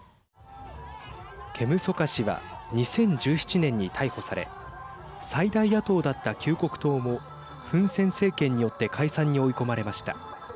ケム・ソカ氏は２０１７年に逮捕され最大野党だった救国党もフン・セン政権によって解散に追い込まれました。